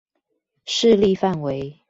勢力範圍